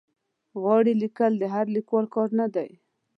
غاړې لیکل د هر لیکوال کار نه دی.